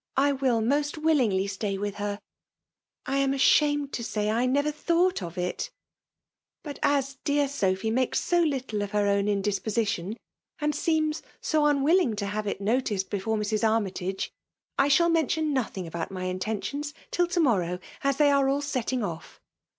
I will most willingly stay with her. I am. ashamed to say, I never thou^it of it! But as. dear Sophy makes so little of her owu indieposition, and seems so \mwilling to have it noticed before Mrs. Armytage, I shall men tion nothing about my intentiona till to»mer Ttfw; w thby ai6 all 8elting> off.